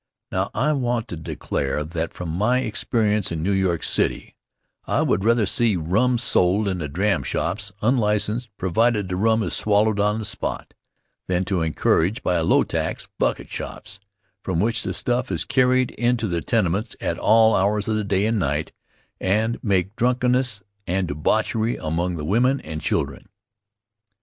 Now, I want to declare that from my experience in New York City, I would rather see rum sold in the dram shops unlicenced, provided the rum is swallowed on the spot, than to encourage, by a low tax, "bucket shops" from which the stuff is carried into the tenements at all hours of the day and night and make drunkenness and debauchery among the women and children.